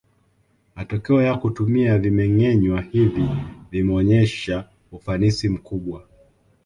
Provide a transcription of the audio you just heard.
Matokeo ya kutumia vimengenywa hivi yameonyesha ufanisi mkubwa